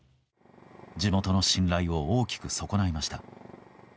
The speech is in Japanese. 地元の信頼を大きく損ないました。